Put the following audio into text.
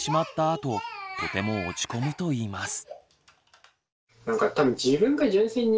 あととても落ち込むといいます。